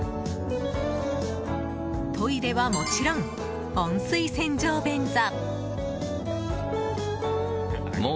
トイレは、もちろん温水洗浄便座。